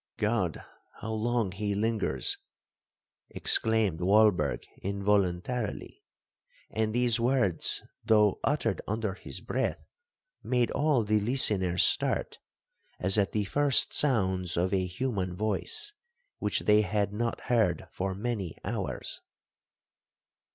'God!—how long he lingers!' exclaimed Walberg involuntarily; and these words, though uttered under his breath, made all the listeners start, as at the first sounds of a human voice, which they had not heard for many hours.